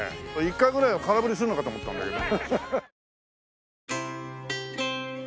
１回ぐらいは空振りするのかと思ったんだけど。